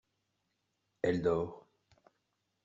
Elle dort.